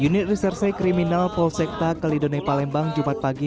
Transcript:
unit reserse kriminal polsekta kalidone palembang jumat pagi